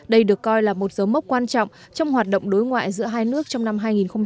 đây được coi là một dấu mốc quan trọng trong hoạt động đối ngoại giữa hai nước trong năm hai nghìn hai mươi